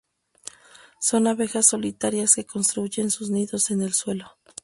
Son abejas solitarias que construyen sus nidos en el suelo.